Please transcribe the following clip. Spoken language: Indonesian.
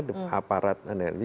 dekat aparat energi